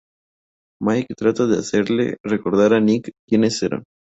Mike trata de hacerle recordar a Nick quienes eran.